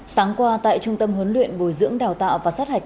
sáng qua tại trung tâm huấn luyện bồi dưỡng đào tạo và sát hạch